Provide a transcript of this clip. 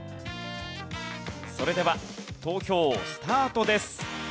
それでは投票スタートです。